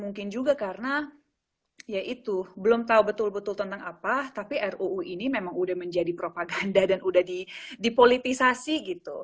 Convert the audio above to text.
mungkin juga karena ya itu belum tahu betul betul tentang apa tapi ruu ini memang udah menjadi propaganda dan udah dipolitisasi gitu